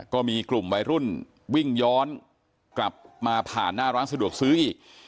ก็มีกลุ่มวัยรุ่นวิ่งย้อนกลับมาผ่านหน้าร้านสะดวกซื้ออีก